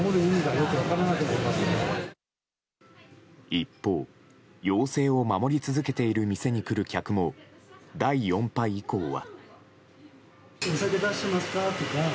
一方、要請を守り続けている店に来る客も第４波以降は。